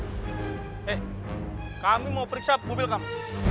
eh kami mau periksa mobil kamu